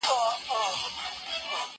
هغه څوک چي ځواب ليکي تمرين کوي!!